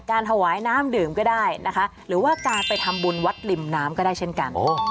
ถวายน้ำดื่มก็ได้นะคะหรือว่าการไปทำบุญวัดริมน้ำก็ได้เช่นกัน